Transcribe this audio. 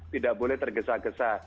tidak boleh tergesa gesa